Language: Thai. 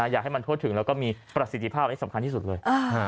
อยากให้มันทั่วถึงแล้วก็มีประสิทธิภาพสำคัญที่สุดเลย